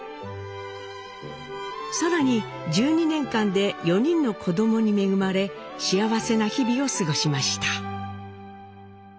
更に１２年間で４人の子供に恵まれ幸せな日々を過ごしました。